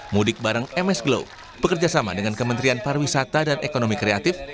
mudik barang ms glow pekerjasama dengan kementerian parwisata dan ekonomi kreatif